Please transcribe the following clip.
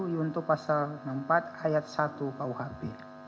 untuk pasal enam puluh empat ayat satu kuhp